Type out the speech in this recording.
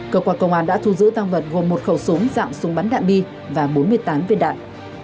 cơ quan công an đã thu giữ tăng vật gồm một khẩu súng dạng súng bắn đạn bi và bốn mươi tám viên đạn